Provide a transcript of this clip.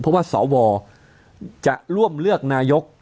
เพราะว่าสวจะร่วมเลือกนายก